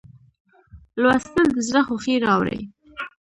لوستل د زړه خوښي راوړي.